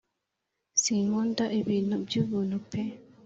Sinkunda ibintu byubunu pe